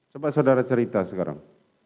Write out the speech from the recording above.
coba saudara cerita sekarang